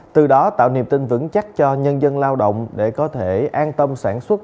từ đó tạo niềm tin vững chắc cho nhân dân lao động để có thể an tâm sản xuất